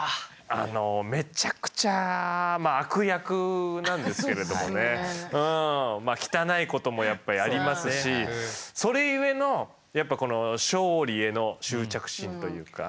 めちゃくちゃまあ悪役なんですけれどもね汚いこともやっぱやりますしそれゆえのやっぱこの勝利への執着心というか。